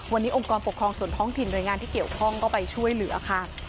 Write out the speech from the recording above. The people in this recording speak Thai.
วันนี้องค์กรปกครองส่วนท้องถิ่นหน่วยงานที่เกี่ยวข้องก็ไปช่วยเหลือค่ะ